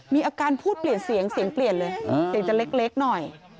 มีอาการพูดเปลี่ยนเสียงเสียงเปลี่ยนเลยเสียงจะเล็กหน่อย